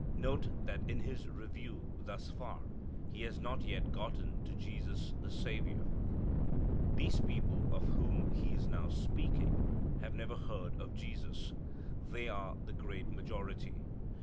Note that in his review thus far he has not yet gotten to Jesus the Saviour. These people of whom he is now speaking have never heard of Jesus. They are the great majority.